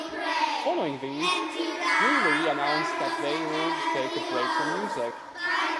Following these, Juli announced that they would take a break from music.